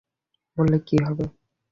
বললে কী হবে।